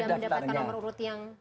mendapatkan nomor urut yang